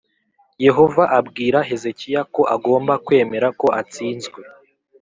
Yehova abwira Hezekiya ko agomba kwemera ko atsinzwe